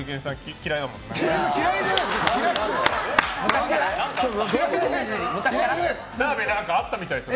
嫌いじゃないですよ！